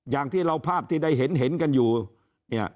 อย่างที่เราภาพที่ได้เห็นเห็นกันอยู่เนี่ย